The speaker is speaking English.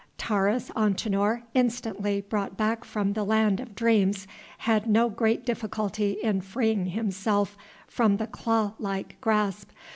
Taurus Antinor, instantly brought back from the land of dreams, had no great difficulty in freeing himself from the claw like grasp.